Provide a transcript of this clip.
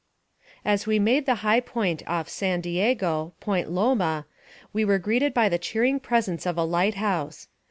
As we made the high point off San Diego, Point Loma, we were greeted by the cheering presence of a light house.